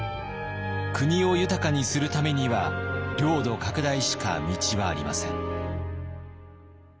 国を豊かにするためには領土拡大しか道はありません。